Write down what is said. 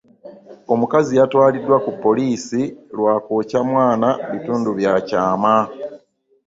Omukazi yatwalidwa ku poliisi lwa kookya mwana bitundu bya kyaama.